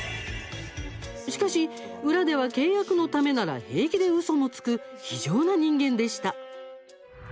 しかし、裏では契約のためなら平気でうそもつく非情な人間でした。